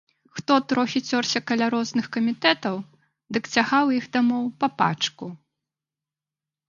Хто трохі цёрся каля розных камітэтаў, дык цягаў іх дамоў па пачку.